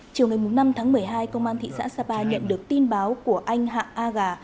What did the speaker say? chiều ngày năm tháng một mươi hai công an thị xã sapa nhận được tin báo của anh hạng a gà